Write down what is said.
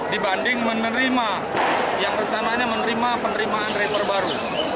dibanding menerima yang rencananya menerima penerimaan rekor baru